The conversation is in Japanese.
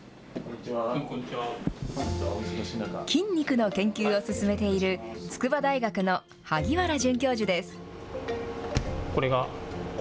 菌肉の研究を進めている筑波大学の萩原准教授です。